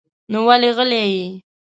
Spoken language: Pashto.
نو ولې غلی يې؟